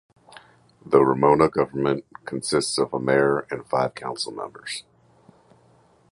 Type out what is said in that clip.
The Ramona government consists of a mayor and five council members.